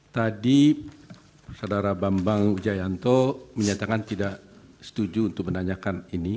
tadi saudara bambang wijayanto menyatakan tidak setuju untuk menanyakan ini